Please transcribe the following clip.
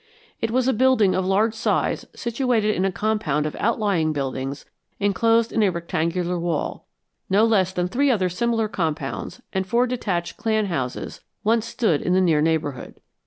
It was a building of large size situated in a compound of outlying buildings enclosed in a rectangular wall; no less than three other similar compounds and four detached clan houses once stood in the near neighborhood.